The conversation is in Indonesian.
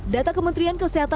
data kementerian kesehatan